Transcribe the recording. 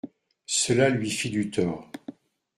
Cela lui fit du tort.